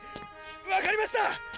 わかりました！！